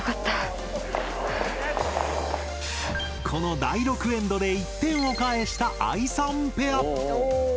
この第６エンドで１点を返したあいさんペア。